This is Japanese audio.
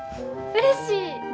うれしい。